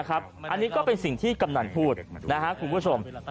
อันนี้ก็เป็นสิ่งที่กำหนังพูดคุณผู้ชม